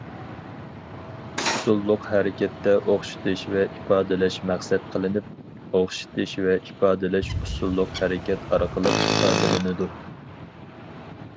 ئۇسسۇللۇق ھەرىكەتتە ئوخشىتىش ۋە ئىپادىلەش مەقسەت قىلىنىپ، ئوخشىتىش ۋە ئىپادىلەش ئۇسسۇللۇق ھەرىكەت ئارقىلىق ئىپادىلىنىدۇ.